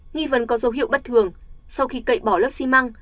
nghi vấn có dấu hiệu bất thường sau khi cậy bỏ lớp xi măng